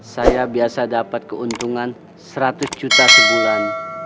saya biasa dapat keuntungan seratus juta sebulan